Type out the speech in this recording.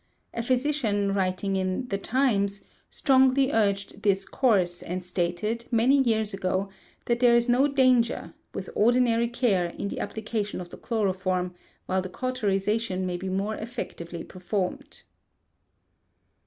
A physician, writing in the Times, strongly urged this course, and stated, many years ago, that there is no danger, with ordinary care, in the application of the chloroform, while the cauterization may be more effectively performed.